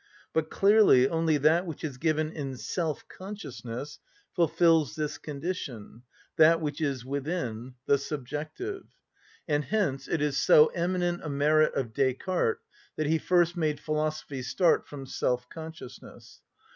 But clearly only that which is given in self‐consciousness fulfils this condition, that which is within, the subjective. And hence it is so eminent a merit of Descartes that he first made philosophy start from self‐consciousness.